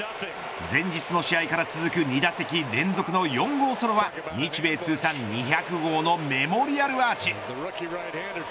前日の試合から続く２打席連続の４号ソロは日米通算２００号のメモリアルアーチ。